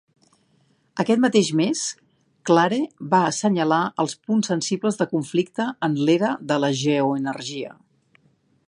Aquest mateix mes, Klare va assenyalar els punts sensibles de conflicte en l'"era de la geoenergia".